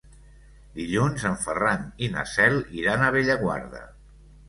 Dilluns en Ferran i na Cel iran a Bellaguarda.